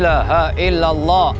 nah ini nunggu